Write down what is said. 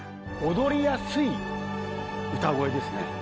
踊りやすい歌声ですね。